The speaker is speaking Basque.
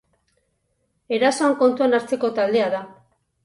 Erasoan kontuan hartzeko taldea da.